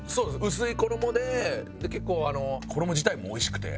薄い衣で結構衣自体もおいしくて。